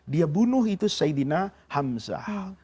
dia bunuh itu saidina hamzah